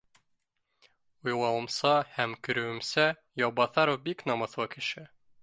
Уйлауымса һәм күреүемсә, Яубаҫа ров бик намыҫлы кеше